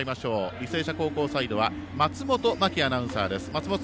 履正社高校サイドは松本真季アナウンサーです。